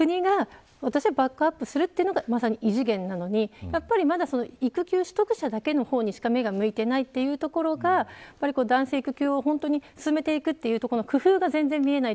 これを国がバックアップするのが異次元なのにまだ、育休取得者だけの方にしか目が向いてないというところが男性の育休を進めていくという工夫が全然見えない